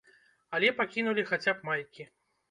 Але пакінулі хаця б майкі.